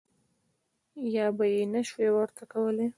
یا به یې نه شوای ورته کولای.